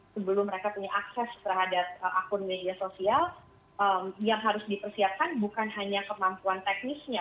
sebelum mereka punya akses terhadap akun media sosial yang harus dipersiapkan bukan hanya kemampuan teknisnya